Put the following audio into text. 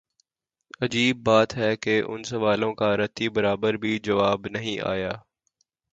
عجیب بات ہے کہ ان سوالوں کا رتی برابر بھی جواب نہیںآیا۔